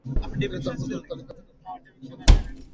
তিনি তার পুত্র আবু তালিবকে মুহাম্মাদ এর দায়িত্ব দিয়ে যান।